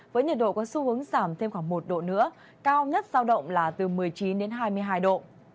với nhiệt độ có xu hướng giảm thêm khoảng một độ nữa cao nhất giao động là từ một mươi chín đến hai mươi hai độ